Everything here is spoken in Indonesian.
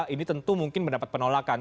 ini tentu mungkin mendapat penolakan